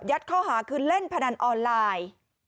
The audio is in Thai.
ข้อหาคือเล่นพนันออนไลน์